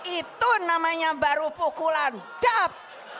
itu namanya baru pukulan dap